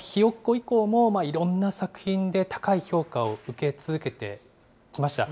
ひよっこ以降もいろんな作品で高い評価を受け続けてきました。